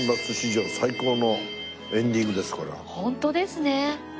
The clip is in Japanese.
ホントですね。